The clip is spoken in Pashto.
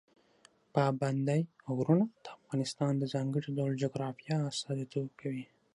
پابندی غرونه د افغانستان د ځانګړي ډول جغرافیه استازیتوب کوي.